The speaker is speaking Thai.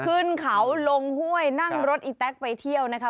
ขึ้นเขาลงห้วยนั่งรถอีแต๊กไปเที่ยวนะคะ